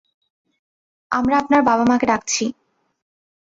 আমরা আপনার বাবা-মাকে ডাকছি।